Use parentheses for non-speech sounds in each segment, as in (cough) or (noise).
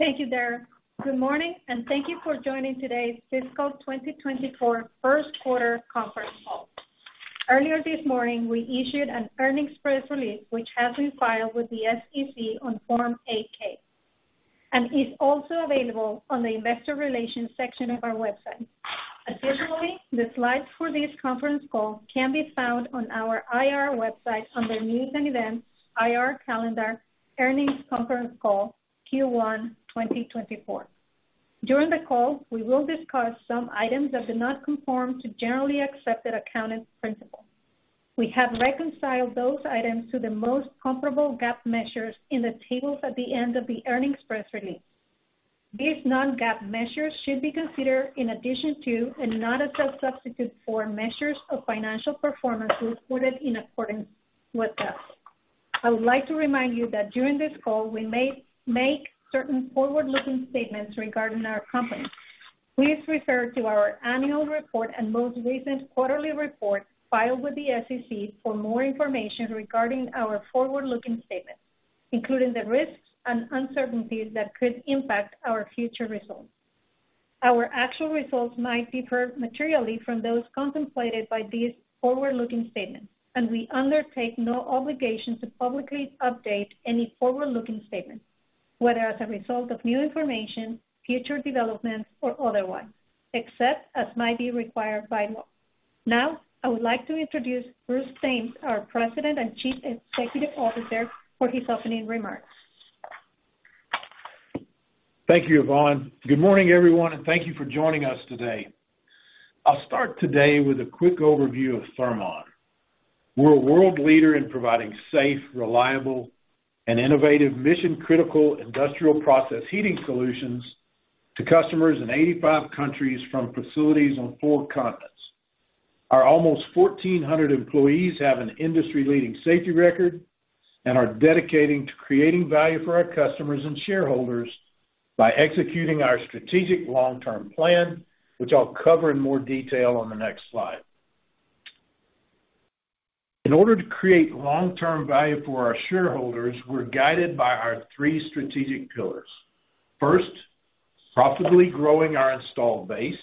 Good morning, and thank you for joining today's fiscal 2024 Q1 conference call. Earlier this morning, we issued an earnings press release, which has been filed with the SEC on Form 8-K, and is also available on the investor relations section of our website. Additionally, the slides for this conference call can be found on our IR website under News and Events, IR Calendar, Earnings Conference Call Q1 2024. During the call, we will discuss some items that do not conform to generally accepted accounting principles. We have reconciled those items to the most comparable GAAP measures in the tables at the end of the earnings press release. These non-GAAP measures should be considered in addition to, and not as a substitute for, measures of financial performance reported in accordance with GAAP. I would like to remind you that during this call, we may make certain forward-looking statements regarding our company. Please refer to our annual report and most recent quarterly report filed with the SEC for more information regarding our forward-looking statements, including the risks and uncertainties that could impact our future results. Our actual results might differ materially from those contemplated by these forward-looking statements, and we undertake no obligation to publicly update any forward-looking statements, whether as a result of new information, future developments, or otherwise, except as might be required by law. Now, I would like to introduce Bruce Thames, our President and Chief Executive Officer, for his opening remarks. Thank you, Ivonne. Good morning, everyone. Thank you for joining us today. I'll start today with a quick overview of Thermon. We're a world leader in providing safe, reliable, and innovative mission-critical industrial process heating solutions to customers in 85 countries from facilities on four continents. Our nearly 1,400 employees have an industry-leading safety record and are dedicating to creating value for our customers and shareholders by executing our strategic long-term plan, which I'll cover in more detail on the next slide. In order to create long-term value for our shareholders, we're guided by our three strategic pillars. First, profitably growing our installed base.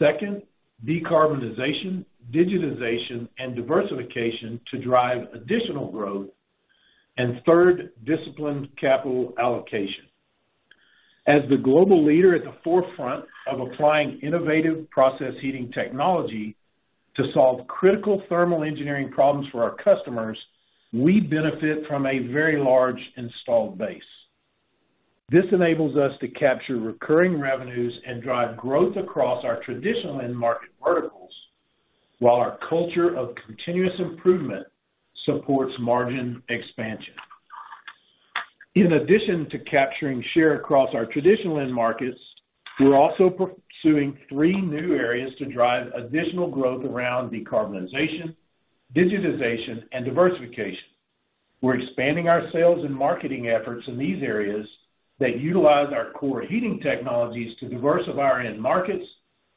Second, decarbonization, digitization, and diversification to drive additional growth. Third, disciplined capital allocation. As the global leader at the forefront of applying innovative process heating technology to solve critical thermal engineering problems for our customers, we benefit from a very large installed base. This enables us to capture recurring revenues and drive growth across our traditional end market verticals, while our culture of continuous improvement supports margin expansion. In addition to capturing share across our traditional end markets, we're also pursuing three new areas to drive additional growth around decarbonization, digitization, and diversification. We're expanding our sales and marketing efforts in these areas that utilize our core heating technologies to diversify our end markets,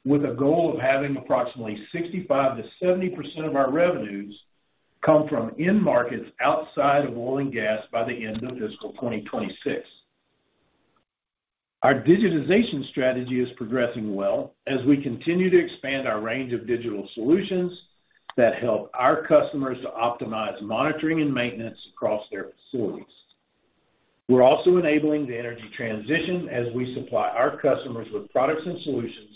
with a goal of having approximately 65%-70% of our revenues come from end markets outside of oil and gas by the end of fiscal 2026. Our digitization strategy is progressing well as we continue to expand our range of digital solutions that help our customers to optimize monitoring and maintenance across their facilities. We're also enabling the energy transition as we supply our customers with products and solutions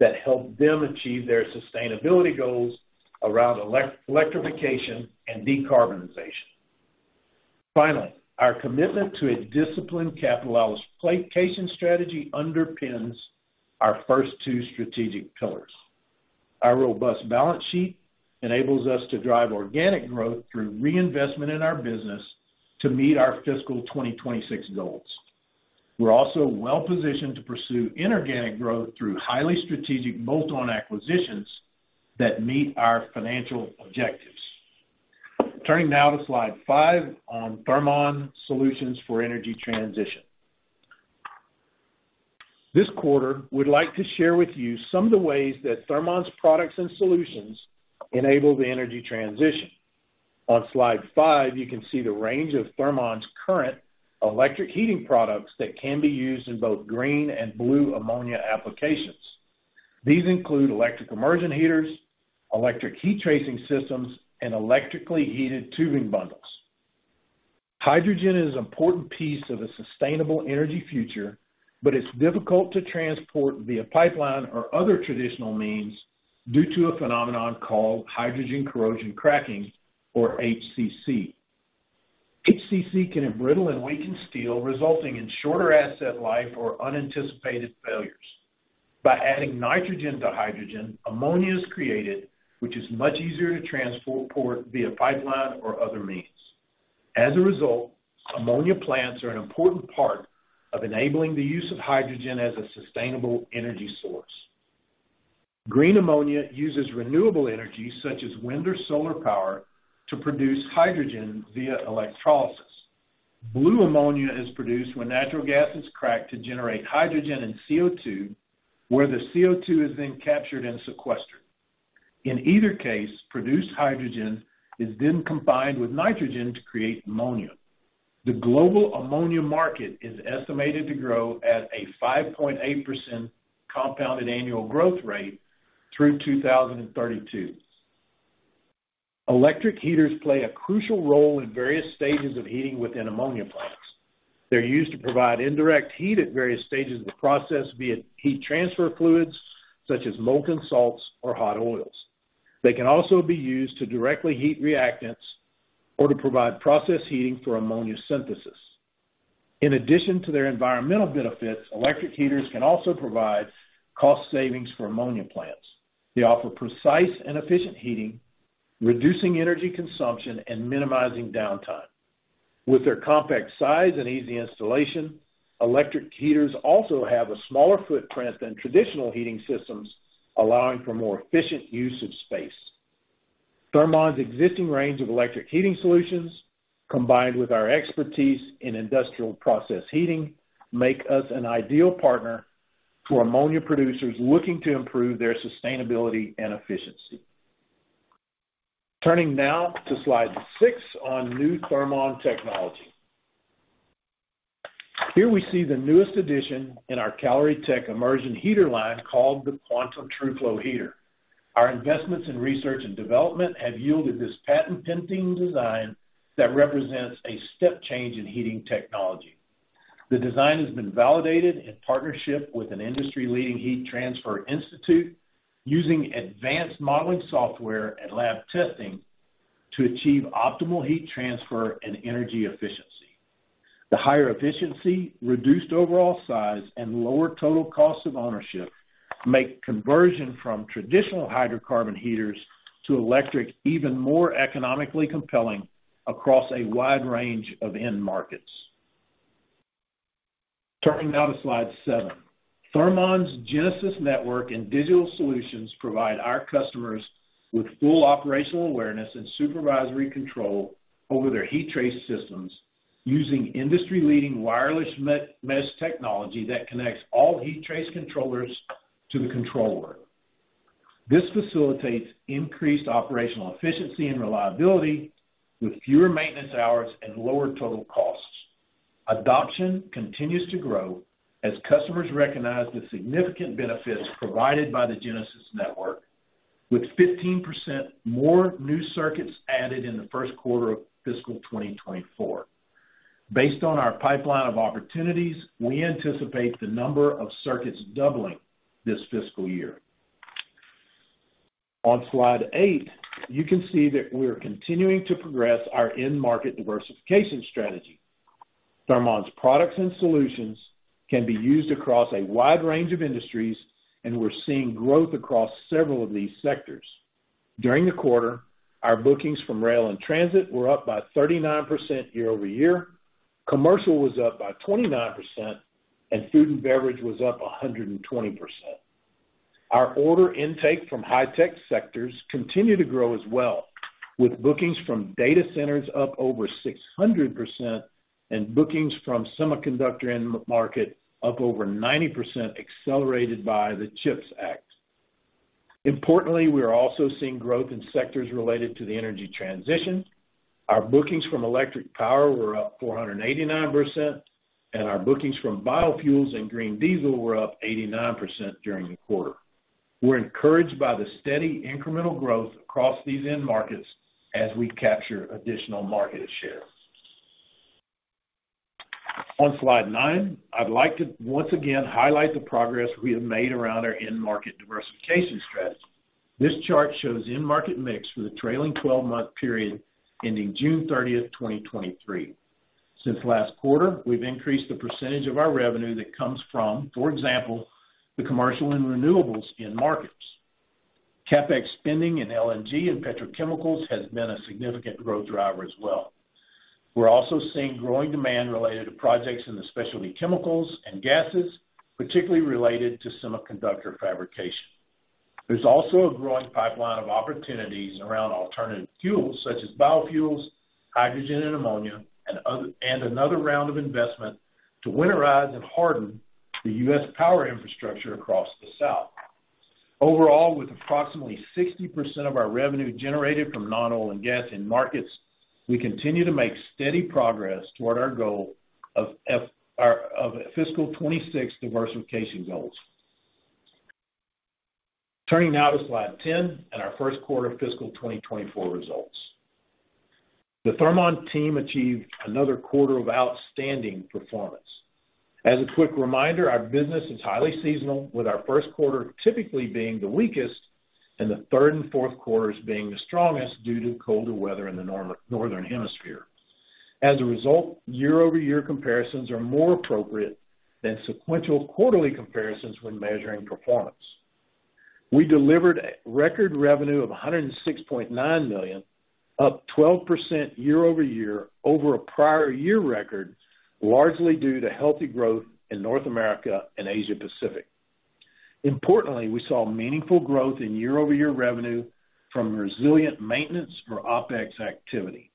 that help them achieve their sustainability goals around electrification and decarbonization. Finally, our commitment to a disciplined capital allocation strategy underpins our first two strategic pillars. Our robust balance sheet enables us to drive organic growth through reinvestment in our business to meet our fiscal 2026 goals. We're also well positioned to pursue inorganic growth through highly strategic bolt-on acquisitions that meet our financial objectives. Turning now to slide 5 on Thermon solutions for energy transition. This quarter, we'd like to share with you some of the ways that Thermon's products and solutions enable the energy transition. On slide 5, you can see the range of Thermon's current electric heating products that can be used in both green and blue ammonia applications. These include electric immersion heaters, electric heat tracing systems, and electrically heated tubing bundles. Hydrogen is an important piece of a sustainable energy future, but it's difficult to transport via pipeline or other traditional means due to a phenomenon called hydrogen corrosion cracking or HCC. HCC can embrittle and weaken steel, resulting in shorter asset life or unanticipated failures. By adding nitrogen to hydrogen, ammonia is created, which is much easier to transport via pipeline or other means. As a result, ammonia plants are an important part of enabling the use of hydrogen as a sustainable energy source. Green ammonia uses renewable energy, such as wind or solar power, to produce hydrogen via electrolysis. Blue ammonia is produced when natural gas is cracked to generate hydrogen and CO₂, where the CO₂ is then captured and sequestered. In either case, produced hydrogen is then combined with nitrogen to create ammonia. The global ammonia market is estimated to grow at a 5.8% compounded annual growth rate (CAGR) through 2032. Electric heaters play a crucial role in various stages of heating within ammonia plants. They're used to provide indirect heat at various stages of the process, via heat transfer fluids, such as molten salts or hot oils. They can also be used to directly heat reactants or to provide process heating for ammonia synthesis. In addition to their environmental benefits, electric heaters can also provide cost savings for ammonia plants. They offer precise and efficient heating, reducing energy consumption and minimizing downtime. With their compact size and easy installation, electric heaters also have a smaller footprint than traditional heating systems, allowing for more efficient use of space. Thermon's existing range of electric heating solutions, combined with our expertise in industrial process heating, make us an ideal partner to ammonia producers looking to improve their sustainability and efficiency. Turning now to slide 6 on new Thermon technology. Here we see the newest addition in our Caloritech immersion heater line, called the Quantum Tru-Flow Heater. Our investments in research and development have yielded this patent-pending design that represents a step change in heating technology. The design has been validated in partnership with an industry-leading heat transfer institute, using advanced modeling software and lab testing to achieve optimal heat transfer and energy efficiency. The higher efficiency, reduced overall size, and lower total cost of ownership make conversion from traditional hydrocarbon heaters to electric even more economically compelling across a wide range of end markets. Turning now to slide 7. Thermon's Genesis Network and digital solutions provide our customers with full operational awareness and supervisory control over their heat trace systems, using industry-leading wireless mesh technology that connects all heat trace controllers to the controller. This facilitates increased operational efficiency and reliability, with fewer maintenance hours and lower total costs. Adoption continues to grow as customers recognize the significant benefits provided by the Genesis Network, with 15% more new circuits added in the Q1 fiscal 2024. Based on our pipeline of opportunities, we anticipate the number of circuits doubling this fiscal year. On slide 8, you can see that we are continuing to progress our end market diversification strategy. Thermon's products and solutions can be used across a wide range of industries, we're seeing growth across several of these sectors. During the quarter, our bookings from rail and transit were up by 39% year-over-year, commercial was up by 29%, and food and beverage was up 120%. Our order intake from high-tech sectors continue to grow as well, with bookings from data centers up over 600% and bookings from semiconductor end market up over 90%, accelerated by the CHIPS Act. Importantly, we are also seeing growth in sectors related to the energy transition. Our bookings from electric power were up 489%, and our bookings from biofuels and green diesel were up 89% during the quarter. We're encouraged by the steady incremental growth across these end markets as we capture additional market share. On slide 9, I'd like to once again highlight the progress we have made around our end market diversification strategy. This chart shows end market mix for the trailing 12-month period ending June 30, 2023. Since last quarter, we've increased the percentage of our revenue that comes from, for example, the commercial and renewables end markets. CapEx spending in LNG and petrochemicals has been a significant growth driver as well. We're also seeing growing demand related to projects in the specialty chemicals and gases, particularly related to semiconductor fabrication. There's also a growing pipeline of opportunities around alternative fuels such as biofuels, hydrogen, and ammonia, and another round of investment to winterize and harden the US power infrastructure across the south. Overall, with approximately 60% of our revenue generated from non-oil and gas end markets, we continue to make steady progress toward our goal of fiscal 2026 diversification goals. Turning now to slide 10 and our Q1 fiscal 2024 results. The Thermon team achieved another quarter of outstanding performance. As a quick reminder, our business is highly seasonal, with our Q1 typically being the weakest and the third and Q4s being the strongest due to colder weather in the northern hemisphere. As a result, year-over-year comparisons are more appropriate than sequential quarterly comparisons when measuring performance. We delivered a record revenue of $106.9 million, up 12% year-over-year, over a prior year record, largely due to healthy growth in North America and Asia Pacific. Importantly, we saw meaningful growth in year-over-year revenue from resilient maintenance for OpEx activity.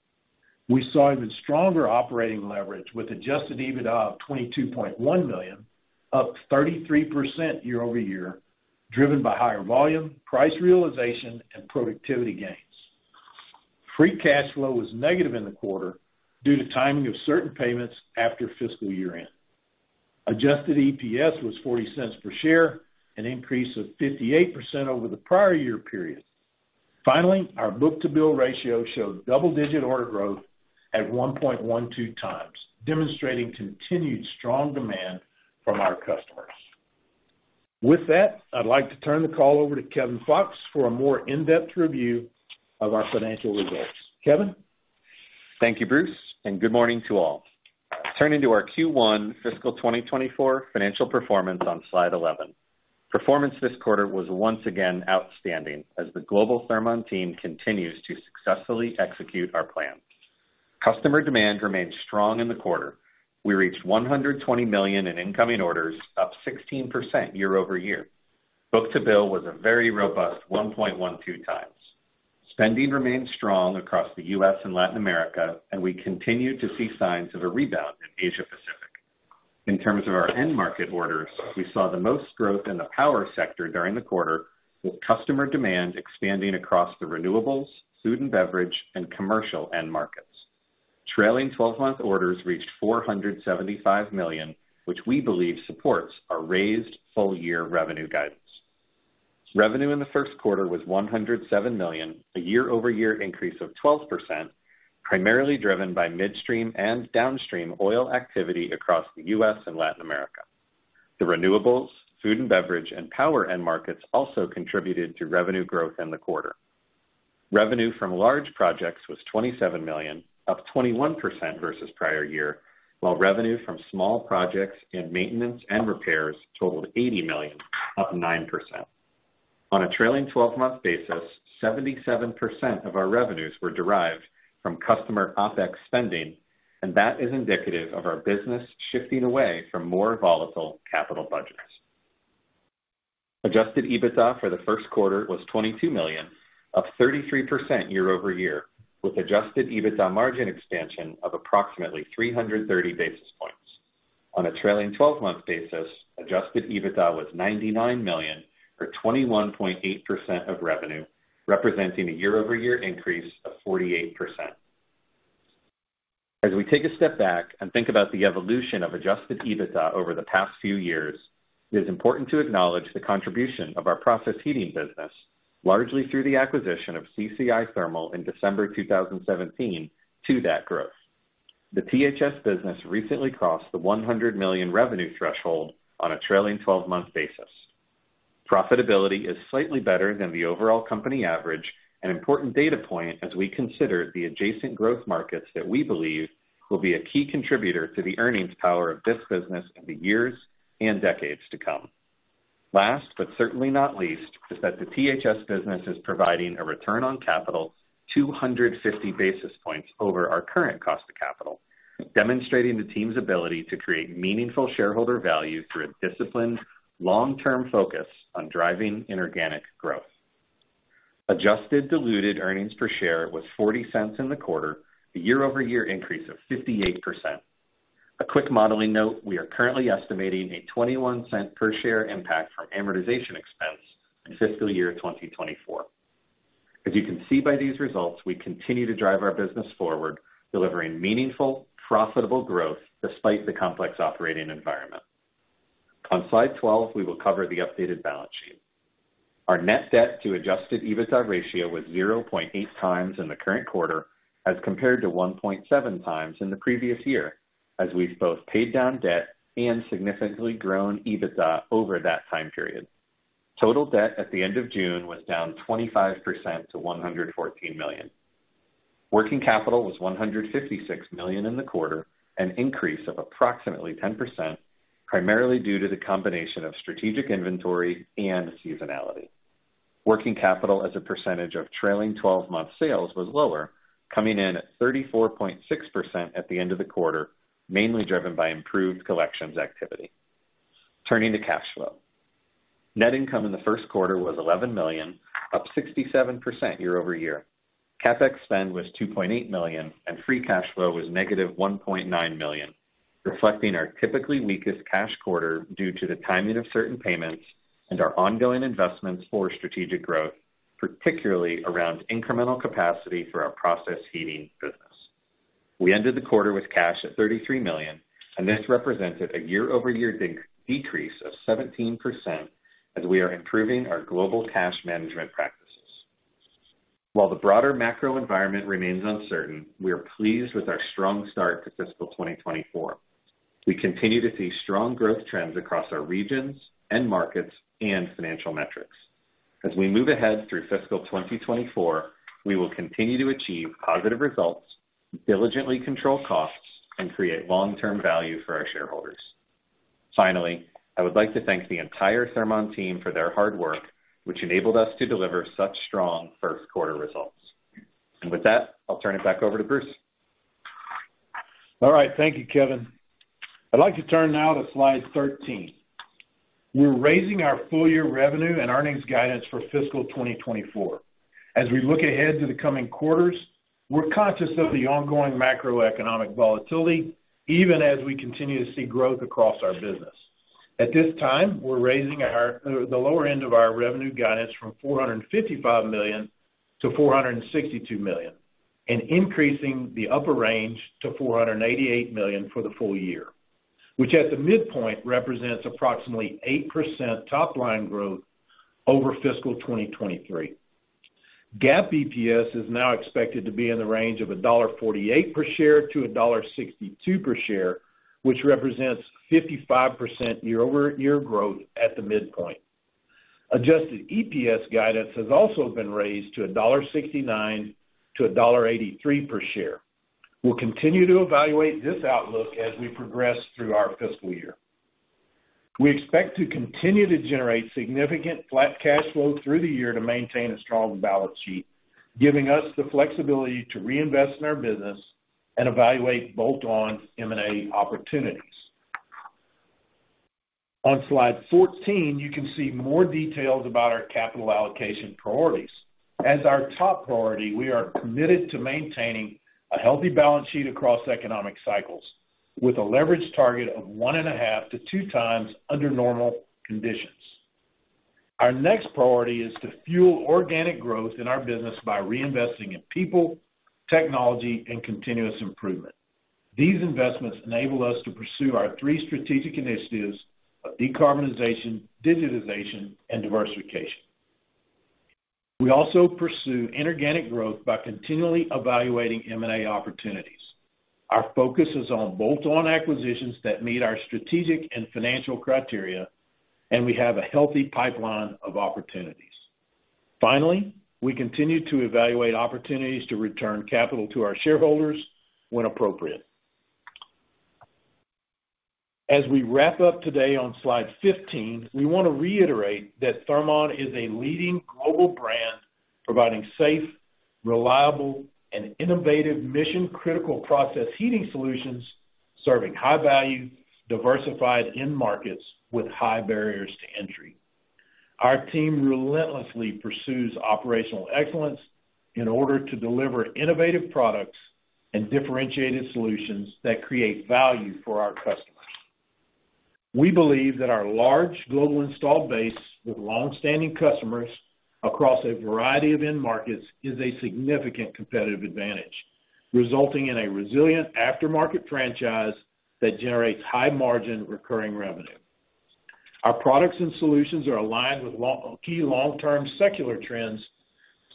We saw even stronger operating leverage with Adjusted EBITDA of $22.1 million, up 33% year-over-year, driven by higher volume, price realization, and productivity gains. Free cash flow was negative in the quarter due to timing of certain payments after fiscal year-end. Adjusted EPS was $0.40 per share, an increase of 58% over the prior year period. Finally, our book-to-bill ratio showed double-digit order growth at 1.12x, demonstrating continued strong demand from our customers. With that, I'd like to turn the call over to Kevin Fox for a more in-depth review of our financial results. Kevin? Thank you, Bruce. Good morning to all. Turning to our Q1 fiscal 2024 financial performance on slide 11. Performance this quarter was once again outstanding, as the global Thermon team continues to successfully execute our plan. Customer demand remained strong in the quarter. We reached $120 million in incoming orders, up 16% year-over-year. Book-to-bill was a very robust 1.12 times. Spending remained strong across the U.S. and Latin America. We continued to see signs of a rebound in Asia Pacific. In terms of our end market orders, we saw the most growth in the power sector during the quarter, with customer demand expanding across the renewables, food and beverage, and commercial end markets. Trailing 12 months orders reached $475 million, which we believe supports our raised full-year revenue guidance. Revenue in Q1 was $107 million, a year-over-year increase of 12%, primarily driven by midstream and downstream oil activity across the US and Latin America. The renewables, food and beverage, and power end markets also contributed to revenue growth in the quarter. Revenue from large projects was $27 million, up 21% versus prior year, while revenue from small projects in maintenance and repairs totaled $80 million, up 9%. On a trailing 12-month basis, 77% of our revenues were derived from customer OpEx spending, and that is indicative of our business shifting away from more volatile capital budgets. Adjusted EBITDA for the Q1 was $22 million, up 33% year-over-year, with Adjusted EBITDA margin expansion of approximately 330 basis points. On a trailing 12-month basis, Adjusted EBITDA was $99 million, or 21.8% of revenue, representing a year-over-year increase of 48%. As we take a step back and think about the evolution of Adjusted EBITDA over the past few years, it is important to acknowledge the contribution of our process heating business, largely through the acquisition of CCI Thermal in December 2017, to that growth. The THS business recently crossed the $100 million revenue threshold on a trailing 12-month basis. Profitability is slightly better than the overall company average, an important data point as we consider the adjacent growth markets that we believe will be a key contributor to the earnings power of this business in the years and decades to come. Last but certainly not least, is that the THS business is providing a return on capital 250 basis points over our current cost of capital, demonstrating the team's ability to create meaningful shareholder value through a disciplined, long-term focus on driving inorganic growth. Adjusted diluted earnings per share were $0.40 in the quarter, a year-over-year increase of 58%. A quick modeling note: We are currently estimating a $0.21 per share impact from amortization expense in fiscal year 2024. As you can see by these results, we continue to drive our business forward, delivering meaningful, profitable growth despite the complex operating environment. On slide 12, we will cover the updated balance sheet. Our net debt to Adjusted EBITDA ratio was 0.8 times in the current quarter, as compared to 1.7 times in the previous year, as we've both paid down debt and significantly grown EBITDA over that time period. Total debt at the end of June was down 25% to $114 million. Working capital was $156 million in the quarter, an increase of approximately 10%, primarily due to the combination of strategic inventory and seasonality. Working capital as a percentage of trailing twelve-month sales was lower, coming in at 34.6% at the end of the quarter, mainly driven by improved collections activity. Turning to cash flow. Net income in the Q1 was $11 million, up 67% year-over-year. CapEx spend was $2.8 million, and free cash flow was negative $1.9 million, reflecting our typically weakest cash quarter due to the timing of certain payments and our ongoing investments for strategic growth, particularly around incremental capacity for our process heating business. We ended the quarter with cash at $33 million. This represented a year-over-year decrease of 17%, as we are improving our global cash management practices. While the broader macro environment remains uncertain, we are pleased with our strong start to fiscal 2024. We continue to see strong growth trends across our regions, end markets, and financial metrics. As we move ahead through fiscal 2024, we will continue to achieve positive results, diligently control costs, and create long-term value for our shareholders. Finally, I would like to thank the entire Thermon team for their hard work, which enabled us to deliver such strong Q1 results. With that, I'll turn it back over to Bruce. All right. Thank you, Kevin. I'd like to turn now to slide 13. We're raising our full year revenue and earnings guidance for fiscal 2024. As we look ahead to the coming quarters, we're conscious of the ongoing macroeconomic volatility, even as we continue to see growth across our business. At this time, we're raising the lower end of our revenue guidance from $455 million to $462 million, and increasing the upper range to $488 million for the full year, which at the midpoint, represents approximately 8% top line growth over fiscal 2023. GAAP EPS is now expected to be in the range of $1.48 per share to $1.62 per share, which represents 55% year-over-year growth at the midpoint. Adjusted EPS guidance has also been raised to $1.69 to $1.83 per share. We'll continue to evaluate this outlook as we progress through our fiscal year. We expect to continue to generate significant free cash flow through the year to maintain a strong balance sheet, giving us the flexibility to reinvest in our business and evaluate bolt-on M&A opportunities. On slide 14, you can see more details about our capital allocation priorities. As our top priority, we are committed to maintaining a healthy balance sheet across economic cycles, with a leverage target of 1.5 to 2 times under normal conditions. Our next priority is to fuel organic growth in our business by reinvesting in people, technology, and continuous improvement. These investments enable us to pursue our 3 strategic initiatives of decarbonization, digitization, and diversification. We also pursue inorganic growth by continually evaluating M&A opportunities. Our focus is on bolt-on acquisitions that meet our strategic and financial criteria, and we have a healthy pipeline of opportunities. Finally, we continue to evaluate opportunities to return capital to our shareholders when appropriate. As we wrap up today on slide 15, we want to reiterate that Thermon is a leading global brand, providing safe, reliable, and innovative mission-critical process heating solutions, serving high value, diversified end markets with high barriers to entry. Our team relentlessly pursues operational excellence in order to deliver innovative products and differentiated solutions that create value for our customers. We believe that our large global installed base with long-standing customers across a variety of end markets is a significant competitive advantage, resulting in a resilient aftermarket franchise that generates high margin recurring revenue. Our products and solutions are aligned with key long-term secular trends,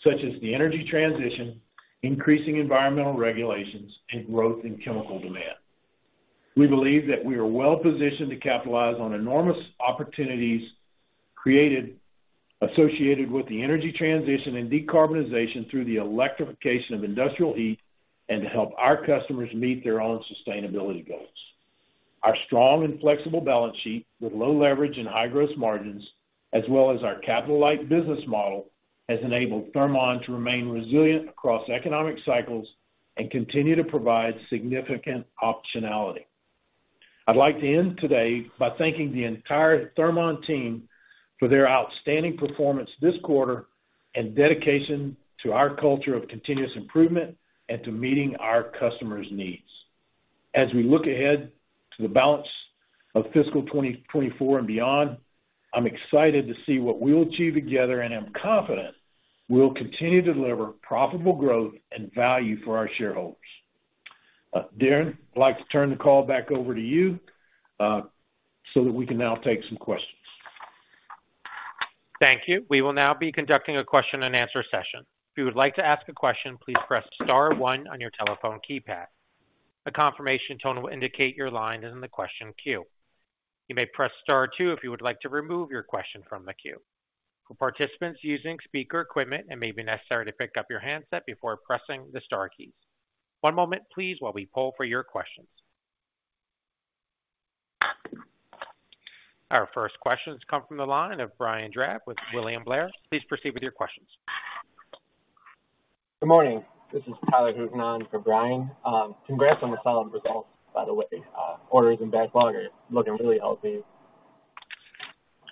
such as the energy transition, increasing environmental regulations, and growth in chemical demand. We believe that we are well positioned to capitalize on enormous opportunities associated with the energy transition and decarbonization through the electrification of industrial heat, and to help our customers meet their own sustainability goals. Our strong and flexible balance sheet, with low leverage and high gross margins, as well as our capital-light business model, has enabled Thermon to remain resilient across economic cycles and continue to provide significant optionality. I'd like to end today by thanking the entire Thermon team for their outstanding performance this quarter and dedication to our culture of continuous improvement and to meeting our customers' needs. As we look ahead to the balance of fiscal 2024 and beyond, I'm excited to see what we'll achieve together, and I'm confident we'll continue to deliver profitable growth and value for our shareholders. Darren, I'd like to turn the call back over to you, so that we can now take some questions. Good morning. This is Tyler Hoogland for Brian. Congrats on the solid results, by the way. Orders and backlog are looking really healthy.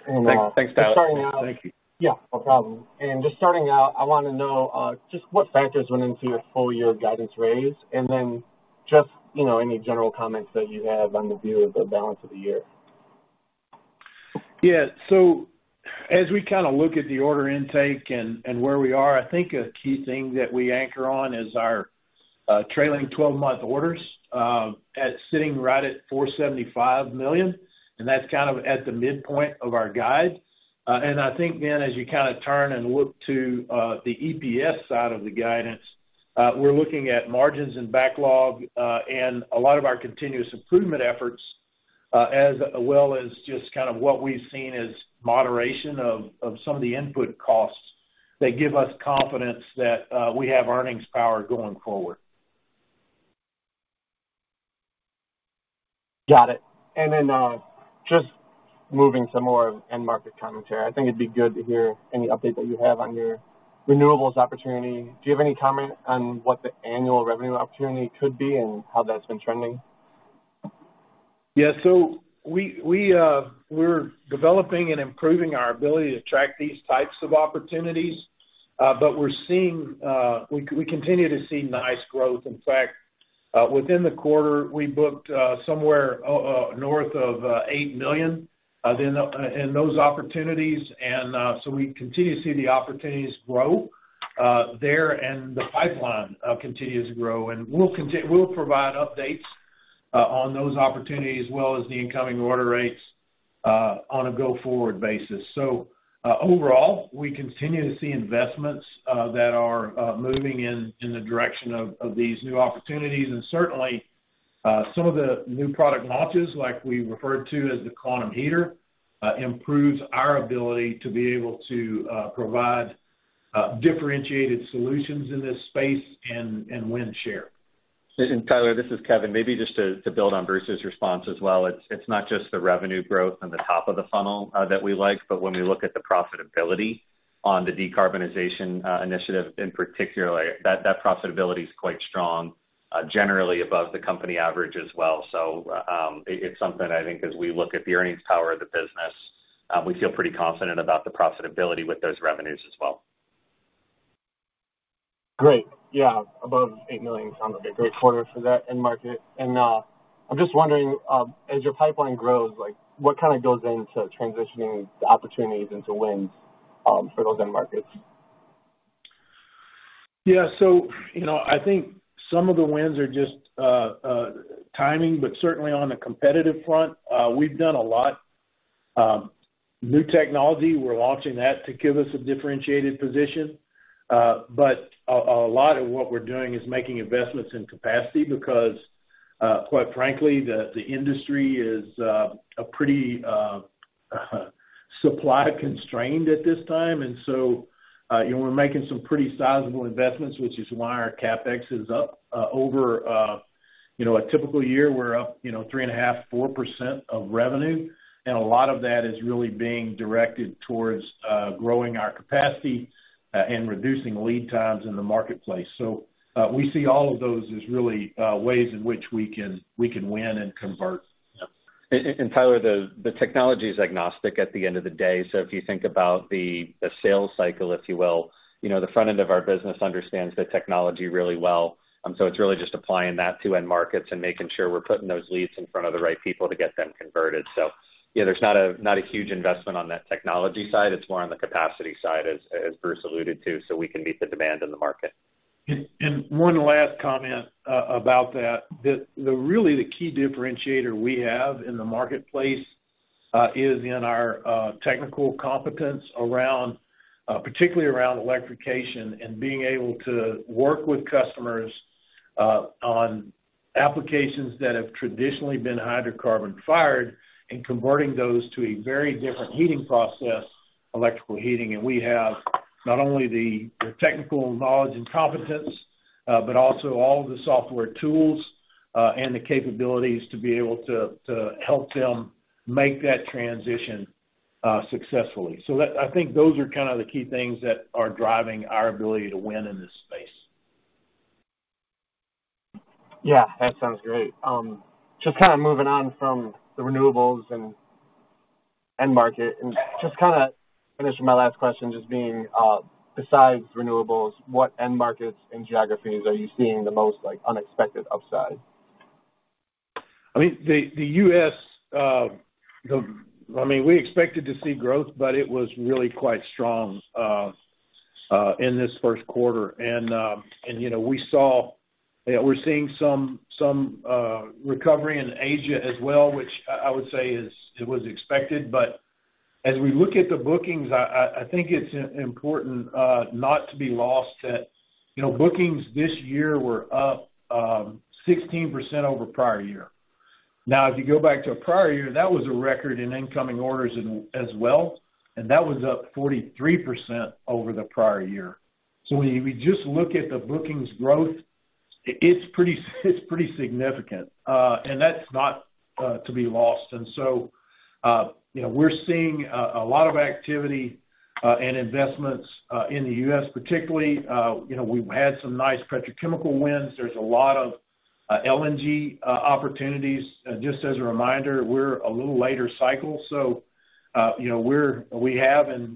Thanks. Thanks, Tyler. Yeah, no problem. Just starting out, I want to know, just what factors went into your full year guidance raise, and then just, any general comments that you have on the view of the balance of the year. Yeah. As we kind of look at the order intake and, and where we are, I think a key thing that we anchor on is our trailing 12-month orders, sitting right at $475 million, and that's kind of at the midpoint of our guide. I think, as you kind of turn and look to the EPS side of the guidance, we're looking at margins and backlog, and a lot of our continuous improvement efforts, as well as just kind of what we've seen as moderation of, of some of the input costs that give us confidence that we have earnings power going forward. Got it. Then, just moving some more end market commentary. I think it'd be good to hear any update that you have on your renewables opportunity. Do you have any comment on what the annual revenue opportunity could be and how that's been trending? Yeah. We, we're developing and improving our ability to track these types of opportunities, but we're seeing-- we, we continue to see nice growth. In fact, within the quarter, we booked somewhere north of $8 million in the- in those opportunities. We continue to see the opportunities grow there, and the pipeline continues to grow. We'll contin- we'll provide updates on those opportunities as well as the incoming order rates on a go-forward basis. Overall, we continue to see investments that are moving in, in the direction of, of these new opportunities. Certainly, some of the new product launches, like we referred to as the Quantum Heater, improves our ability to be able to provide differentiated solutions in this space and win share. Tyler, this is Kevin. Maybe just to, to build on Bruce's response as well. It's, it's not just the revenue growth on the top of the funnel, that we like, but when we look at the profitability on the decarbonization initiative, in particular, that, that profitability is quite strong, generally above the company average as well. It's something I think as we look at the earnings power of the business, we feel pretty confident about the profitability with those revenues as well. Great. Yeah, above $8 million, sounds like a great quarter for that end market. I'm just wondering, as your pipeline grows, like, what kind of goes into transitioning the opportunities into wins, for those end markets? Yeah. I think some of the wins are just timing, but certainly on the competitive front, we've done a lot. New technology, we're launching that to give us a differentiated position. But a lot of what we're doing is making investments in capacity because, quite frankly, the industry is a pretty supply constrained at this time. we're making some pretty sizable investments, which is why our CapEx is up. Over, a typical year, we're up, 3.5%-4% of revenue, and a lot of that is really being directed towards growing our capacity and reducing lead times in the marketplace. We see all of those as really ways in which we can, we can win and convert. Tyler, the technology is agnostic at the end of the day. If you think about the sales cycle, if you will, the front end of our business understands the technology really well. It's really just applying that to end markets and making sure we're putting those leads in front of the right people to get them converted. there's not a huge investment on that technology side. It's more on the capacity side, as Bruce alluded to, so we can meet the demand in the market. One last comment about that. Really, the key differentiator we have in the marketplace is in our technical competence around particularly around electrification and being able to work with customers on applications that have traditionally been hydrocarbon-fired and converting those to a very different heating process, electrical heating. We have not only the technical knowledge and competence, but also all of the software tools and the capabilities to be able to help them make that transition successfully. I think those are kind of the key things that are driving our ability to win in this space. Yeah, that sounds great. Just kind of moving on from the renewables and end market, and just kind of finishing my last question, just being, besides renewables, what end markets and geographies are you seeing the most, like, unexpected upside? I mean, the, the U.S., I mean, we expected to see growth, but it was really quite strong in this Q1. we're seeing some, some recovery in Asia as well, which I, I would say is, it was expected. As we look at the bookings, I think it's important not to be lost that, bookings this year were up 16% over prior year. If you go back to a prior year, that was a record in incoming orders as well, and that was up 43% over the prior year. When you just look at the bookings growth, it's pretty, it's pretty significant. That's not to be lost. We're seeing a lot of activity and investments in the U.S., particularly. we've had some nice petrochemical wins. There's a lot of LNG opportunities. Just as a reminder, we're a little later cycle, so, we have and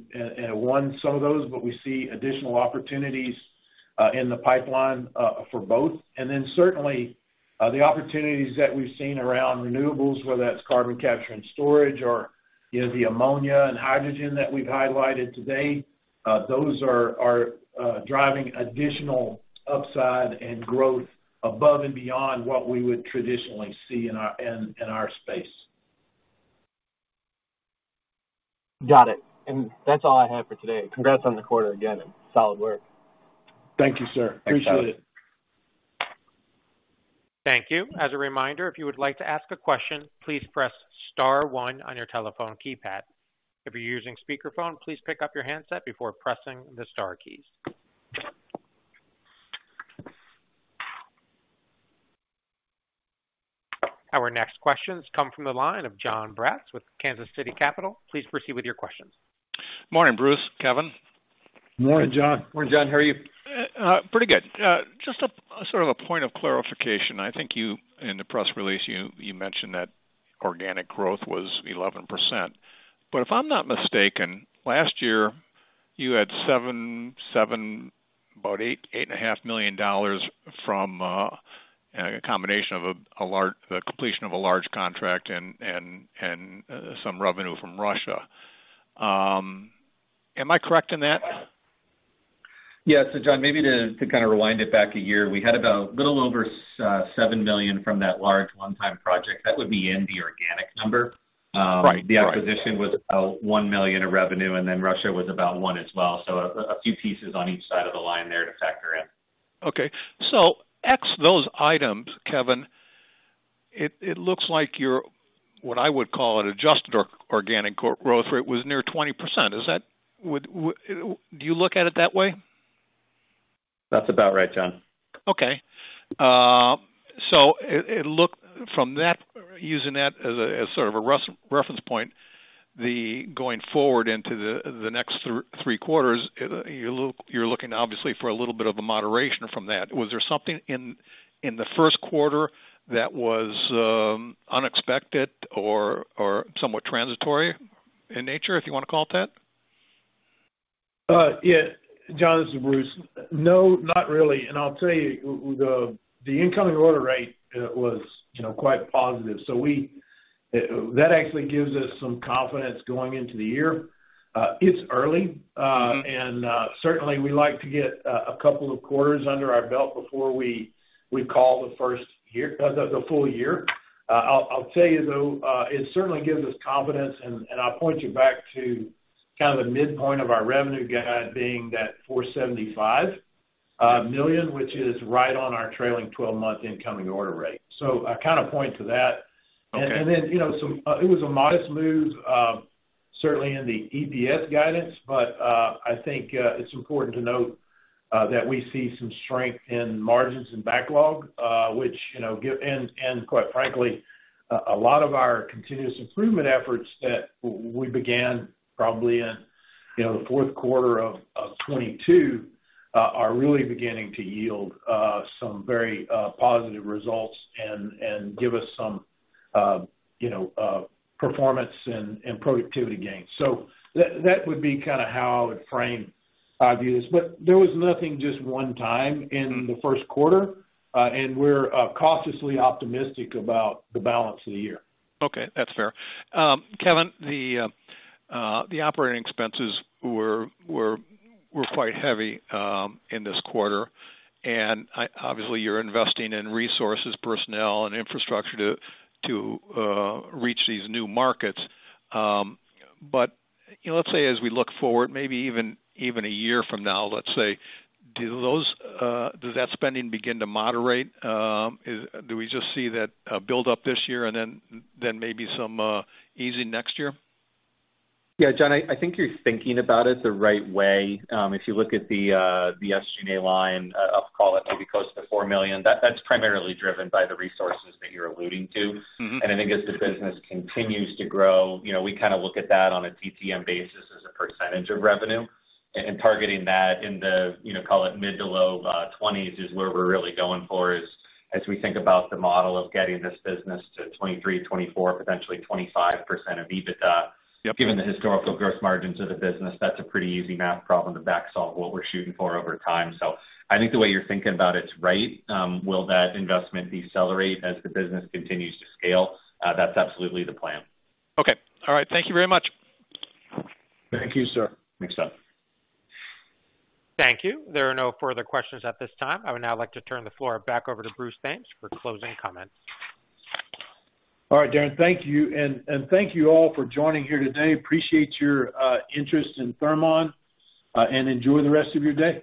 won some of those, but we see additional opportunities in the pipeline for both. Certainly, the opportunities that we've seen around renewables, whether that's carbon capture and storage or, the ammonia and hydrogen that we've highlighted today, those are driving additional upside and growth above and beyond what we would traditionally see in our space. Got it. That's all I have for today. Congrats on the quarter again, solid work. Thank you, sir. Appreciate it. Morning, Bruce, Kevin. Morning, John. Morning, John, how are you? Pretty good. Just a sort of a point of clarification. I think you, in the press release, you, you mentioned that organic growth was 11%. If I'm not mistaken, last year, you had 7, 7, about 8, $8.5 million from a combination of a, a large, the completion of a large contract and, and, and some revenue from Russia. Am I correct in that? Yeah. John, maybe to, to kind of rewind it back a year, we had about a little over $7 million from that large one-time project. That would be in the organic number. Right. The acquisition was about $1 million of revenue, and then Russia was about $1 as well. A, a few pieces on each side of the line there to factor in. Okay, X those items, Kevin, it looks like your, what I would call an adjusted organic growth rate was near 20%. Is that, do you look at it that way? That's about right, John. Okay. It, it looked from that, using that as a, as sort of a reference point, the going forward into the, the next three quarters, you're looking obviously for a little bit of a moderation from that. Was there something in, in the Q1 that was unexpected or, or somewhat transitory in nature, if you want to call it that? Yeah. John, this is Bruce. No, not really. I'll tell you, the, the incoming order rate, was, quite positive. That actually gives us some confidence going into the year. It's early. Mm-hmm. Certainly, we like to get a, a couple of quarters under our belt before we, we call the first year, the, the full year. I'll, I'll tell you, though, it certainly gives us confidence, and, and I'll point you back to kind of the midpoint of our revenue guide being that $475 million, which is right on our trailing 12-month incoming order rate. I kind of point to that. (crosstalk) some... it was a modest move, certainly in the EPS guidance, but I think it's important to note that we see some strength in margins and backlog, which, give and quite frankly, a lot of our continuous improvement efforts that we began probably in, the Q4 of 2022, are really beginning to yield some very positive results and give us some, performance and productivity gains. So that, that would be kind of how I would frame view this. But there was nothing just one time in the Q1, and we're cautiously optimistic about the balance of the year Okay, that's fair. Kevin, the operating expenses were, were, were quite heavy in this quarter, and obviously, you're investing in resources, personnel, and infrastructure to, to reach these new markets. Let's say as we look forward, maybe even, even a year from now, let's say, do those, does that spending begin to moderate? Do we just see that build up this year and then, then maybe some easing next year? Yeah, John, I, I think you're thinking about it the right way. If you look at the SG&A line, I'll call it maybe close to $4 million. That, that's primarily driven by the resources that you're alluding to. Mm-hmm. I think as the business continues to grow, we kind of look at that on a TTM basis as a percentage of revenue, and targeting that in the, call it mid to low 20s is where we're really going for as, as we think about the model of getting this business to 23, 24, potentially 25% of EBITDA. Yep. Given the historical gross margins of the business, that's a pretty easy math problem to backsolve what we're shooting for over time. I think the way you're thinking about it is right. Will that investment decelerate as the business continues to scale? That's absolutely the plan. Okay. All right. Thank you very much. Thank you, sir. Thanks, John. All right, Darren, thank you. Thank you all for joining here today. Appreciate your interest in Thermon, and enjoy the rest of your day.